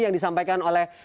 yang disampaikan oleh